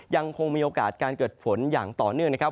ยังคงมีโอกาสการเกิดฝนอย่างต่อเนื่องนะครับ